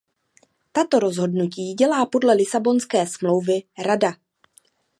Tato rozhodnutí dělá podle Lisabonské smlouvy Rada.